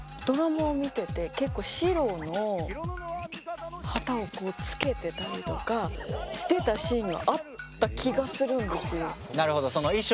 ドラマを見てて結構白の旗をこうつけてたりとかしてたシーンがあった気がするんですよ。